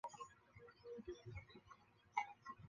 后脚的第一趾没有爪及相对的。